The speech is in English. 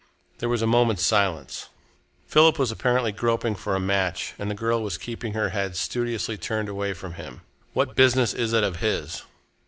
There was a moment's silence. Philip was apparently groping for a match, and the girl was keeping her head studiously turned away from him. "What business is it of his?"